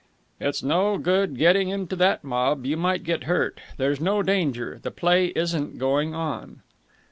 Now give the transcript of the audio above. "It's no good getting into that mob. You might get hurt. There's no danger; the play isn't going on."